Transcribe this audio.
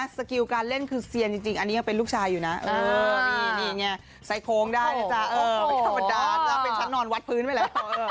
สกิลการเล่นคือเซียนจริงอันนี้ยังเป็นลูกชายอยู่นะนี่ไงใส่โค้งได้นะจ๊ะไม่ธรรมดาถ้าเป็นฉันนอนวัดพื้นไว้แล้ว